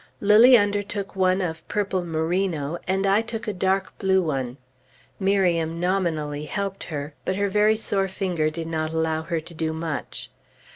Lilly undertook one of purple merino, and I took a dark blue one. Miriam nominally helped her; but her very sore finger did not allow her to do much.